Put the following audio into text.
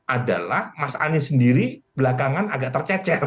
adalah mas anies sendiri belakangan agak tercecer